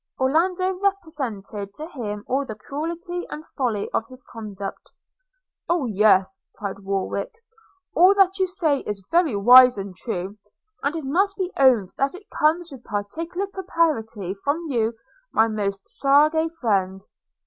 Orlando represented to him all the cruelty and folly of his conduct. – 'Oh! yes,' cried Warwick; 'all that you say is very wise and very true, and it must be owned that it comes with peculiar propriety from you, my most sage friend!